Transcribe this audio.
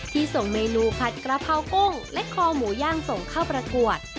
ส่งเมนูผัดกระเพรากุ้งและคอหมูย่างส่งเข้าประกวด